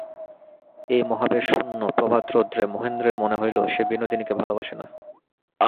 এই মহাবেশশূন্য প্রভাতরৌদ্রে মহেন্দ্রের মনে হইল, সে বিনোদিনীকে ভালোবাসে না।